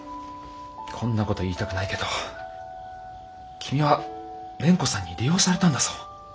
こんな事言いたくないけど君は蓮子さんに利用されたんだぞ。